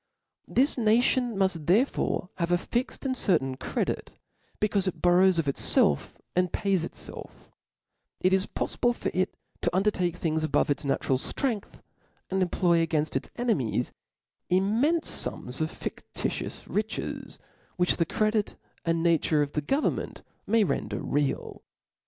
This nacbn muft thensfore have a fixed and cer tain credit) becaufe it borrows of iffelf and pays Ip * feU; It is poffible for it to undertake things above hs natural ftrength, and employ againft its enemies immenle fums of fiditious riches, which the credit and nature of the government may render real.